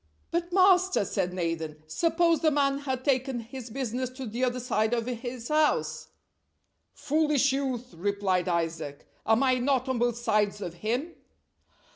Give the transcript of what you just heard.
"But, master," said Nathan, "suppose the man had taken his business to the other side of his house?" "Foolish youth," replied Isaac, "am I not on both sides of him!!"